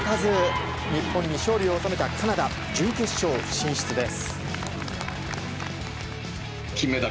日本に勝利を収めたカナダ準決勝進出です。